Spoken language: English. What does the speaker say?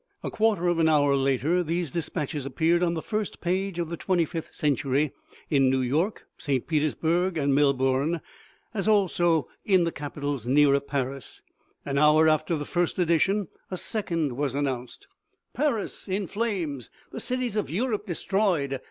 A quarter of an hour later these despatches appeared on the first page of the xxvth Century, in New York, St. Petersburg and Mel bourne, as also in the capitals nearer Paris ; an hour after the first edition a second was announced. i8o OMEGA. "Paris inflames! The cities of Europe destroyed!